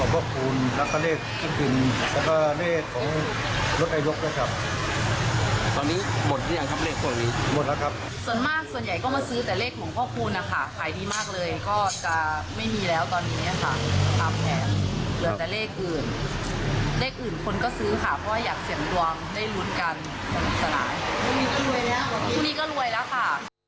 พรุ่งนี้ก็รวยแล้วค่ะ